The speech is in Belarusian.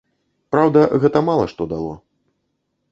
Праўда, гэта мала што дало.